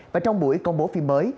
và trong buổi công bố phim mới